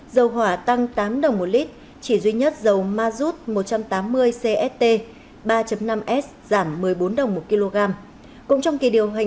dầu hỏa tăng tám đồng một lít chỉ duy nhất dầu mazut một trăm tám mươi cst ba năm s giảm một mươi bốn đồng một kg